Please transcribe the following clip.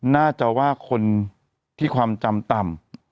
น่าจะว่าคนที่ความจำต่ำ